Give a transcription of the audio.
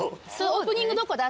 オープニングどこだ？